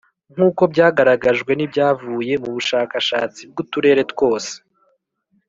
Nk’uko byagaragajwe n’ibyavuye mu bushakashatsi bw’uturere twose